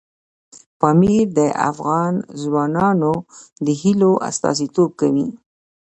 پامیر د افغان ځوانانو د هیلو استازیتوب کوي.